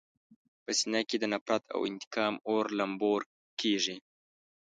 په سینه کې د نفرت او انتقام اور لمبور کېږي.